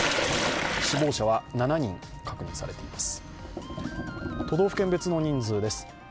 死亡者は７人確認されています。